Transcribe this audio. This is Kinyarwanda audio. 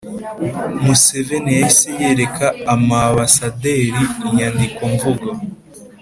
museveni yahise yereka amabasaderi inyandikomvugo